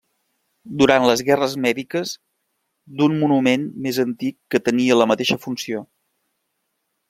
Durant les Guerres Mèdiques d'un monument més antic que tenia la mateixa funció.